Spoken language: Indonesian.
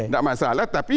tidak masalah tapi